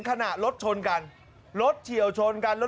ขณะรถชนกันรถเฉลชนกัน